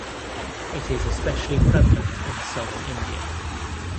It is especially prevalent in southern India.